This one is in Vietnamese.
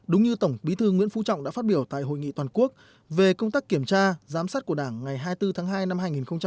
đúng như tổng bí thư nguyễn phú trọng đã phát biểu tại hội nghị toàn quốc về công tác kiểm tra giám sát của đảng ngày hai mươi bốn tháng hai năm hai nghìn hai mươi